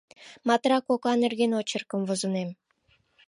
Матра кока нерген очеркым возынем.